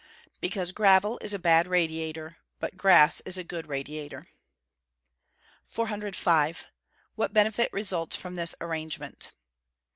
_ Because gravel is a bad radiator, but grass is a good radiator. 405. _What benefit results from this arrangement?